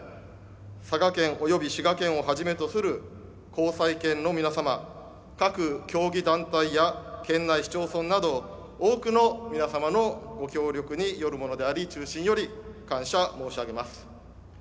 佐賀県及び滋賀県をはじめとする後催県の皆様、各競技団体や県内市町村など多くの皆様の御協力によるものであり衷心より感謝申し上げます。